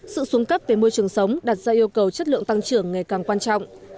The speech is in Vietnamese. sự xuống cấp về môi trường sống đặt ra yêu cầu chất lượng tăng trưởng ngày càng quan trọng